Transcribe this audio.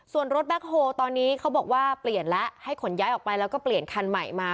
ส่วนรถแบ็คโฮลตอนนี้เขาบอกว่าเปลี่ยนแล้วให้ขนย้ายออกไปแล้วก็เปลี่ยนคันใหม่มา